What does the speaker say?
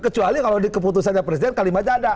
kecuali kalau di keputusannya presiden kalimatnya ada